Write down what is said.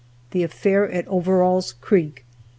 THE AFFAIR AT OVERALL'S CREEK.